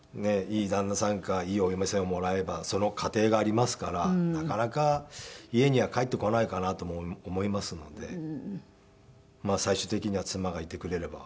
いい旦那さんかいいお嫁さんをもらえばその家庭がありますからなかなか家には帰ってこないかなと思いますので最終的には妻がいてくれれば。